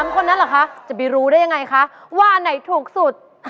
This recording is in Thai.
คนนั้นเหรอคะจะไปรู้ได้ยังไงคะว่าอันไหนถูกสุด